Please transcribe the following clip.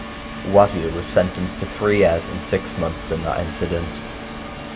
Wazir was sentenced to three years and six months in that incident.